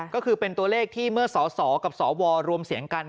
ก็คือเป็นตัวเลขที่เมื่อสสกับสวรวมเสียงกัน